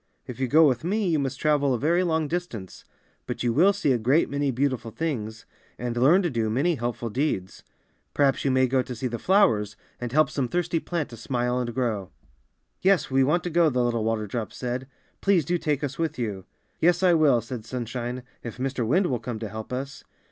If you go with me you must travel a very long distance, but you will see a great many beautiful things, and learn to do many helpful deeds. Perhaps you may go to see the flowers, and help some thirsty plant to smile and grow.". 22 FROST FAIRIES AND THE WATER DROPS. '^Yes, we want to go," the little water drops said. ^Tlease do take us with you." ^^Yes, I Will," said Sunshine, ^^if Mr. Wind will come to help us."